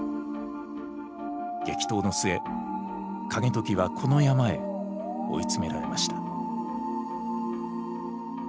激闘の末景時はこの山へ追い詰められました。